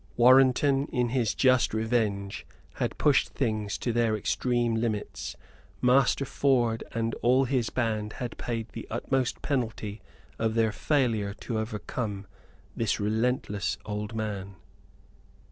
Warrenton in his just revenge had pushed things to their extreme limits: Master Ford and all his band had paid the utmost penalty of their failure to overcome this relentless old man.